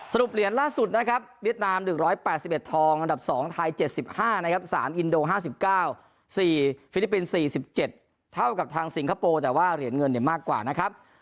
เหรียญล่าสุดนะครับเวียดนาม๑๘๑ทองอันดับ๒ไทย๗๕นะครับ๓อินโด๕๙๔ฟิลิปปินส์๔๗เท่ากับทางสิงคโปร์แต่ว่าเหรียญเงินเนี่ยมากกว่านะครับ